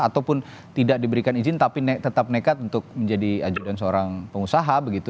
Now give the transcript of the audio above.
ataupun tidak diberikan izin tapi tetap nekat untuk menjadi ajudan seorang pengusaha begitu